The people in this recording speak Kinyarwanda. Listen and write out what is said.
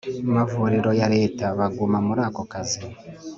Mavuriro ya leta baguma muri ako kazi